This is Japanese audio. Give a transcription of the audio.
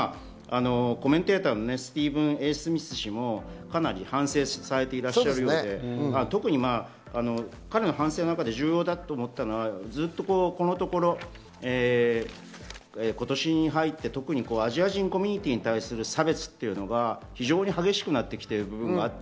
コメンテーターのスミス氏もかなり反省されていらっしゃるようで、彼の反省の中で重要だと思ったのが、ずっと、このところ今年に入って特にアジア人コミュニティーに対する差別が非常に激しくなってきている部分がある。